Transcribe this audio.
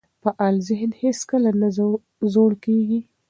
فعال ذهن هیڅکله نه زوړ کیږي.